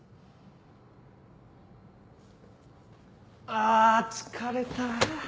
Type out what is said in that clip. ・あ疲れた！